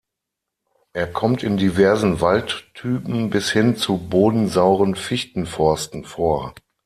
Er kommt in diversen Waldtypen bis hin zu bodensauren Fichtenforsten vor.